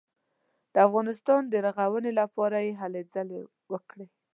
د افغانستان د رغونې لپاره یې هلې ځلې وکړې.